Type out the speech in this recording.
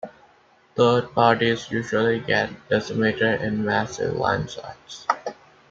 Third parties usually get decimated in massive landslides.